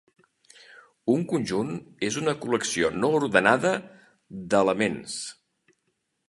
Un conjunt és una col·lecció no ordenada d'"elements".